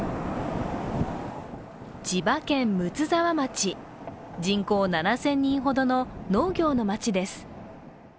千葉県睦沢町人口７０００人ほどの農業の町です。